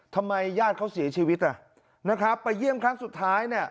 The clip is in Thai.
ญาติเขาเสียชีวิตนะครับไปเยี่ยมครั้งสุดท้ายเนี่ย